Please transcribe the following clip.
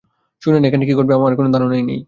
শুনেন, এখানে কি ঘটবে আপনার কোন ধারণাই নেই!